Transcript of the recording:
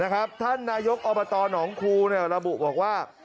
ท่านนายกอบตหนองครูระบุบอกว่า